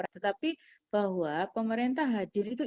tetapi bahwa pemerintah hadir itu